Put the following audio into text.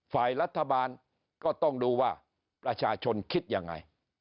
ฝ่ายรัฐบาลก็ต้องดูว่าประชาชนคิดยังไง